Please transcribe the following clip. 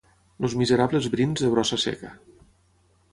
Els miserables brins de brossa seca.